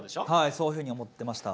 そういうふうに思っていました。